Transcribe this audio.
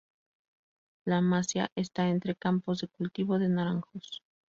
La masía está entre campos de cultivo de naranjos.